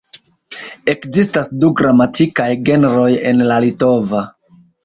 Ekzistas du gramatikaj genroj en la litova.